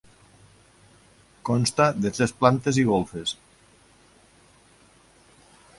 Consta de tres plantes i golfes.